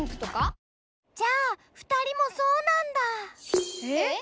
じゃあ２人もそうなんだ。え？